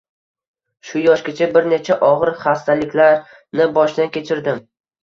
Shu yoshgacha bir necha og`ir xastalaklarni boshdan kechirdim